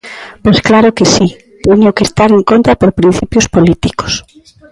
Pois claro que si, teño que estar en contra por principios políticos.